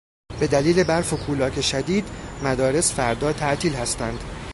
به دلیل برف و کولاک شدید، مدارس فردا تعطیل هستند